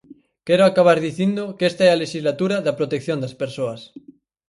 Quero acabar dicindo que esta é a lexislatura da protección das persoas.